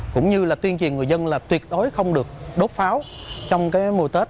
cũng như là tuyên truyền người dân là tuyệt đối không được đốt pháo trong mùa tết